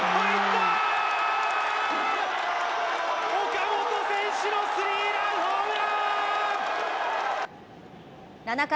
岡本選手のスリーランホームラン！